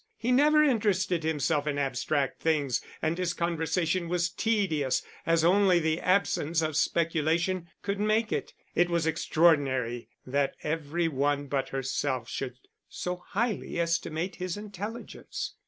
He never interested himself in abstract things, and his conversation was tedious, as only the absence of speculation could make it. It was extraordinary that every one but herself should so highly estimate his intelligence.